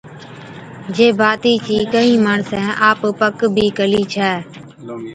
جي باتي چِي ڪهِين ماڻسين آپ پڪ بِي ڪلِي ڇَي۔